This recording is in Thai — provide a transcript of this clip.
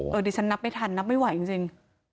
ดิฉันนับไม่ทันนับไม่ไหวจริง